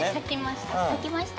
書きました。